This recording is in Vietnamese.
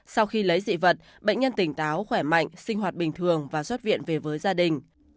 sau khi lấy dị vật bệnh nhân tỉnh táo khỏe mạnh sinh hoạt bình thường và xuất viện về với gia đình